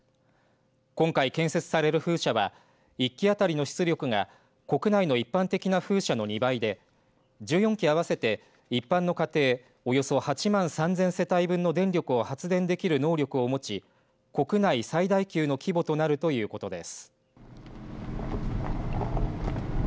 今回、建設される風車は１基当たりの出力が国内の一般的な風車の２倍で１４基合わせて一般の家庭およそ８万３０００世帯分の電力を発電できる能力を持ち国内最大級の規模となるということです。